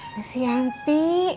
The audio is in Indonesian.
ada si yanti